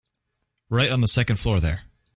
Right on the second floor there.